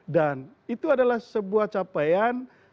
dan itu adalah sebuah capaian